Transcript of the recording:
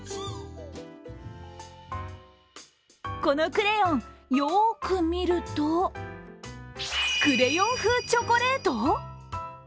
このクレヨンよーく見るとクレヨン風チョコレート！？